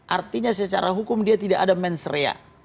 artinya secara hukum dia tidak ada mens rea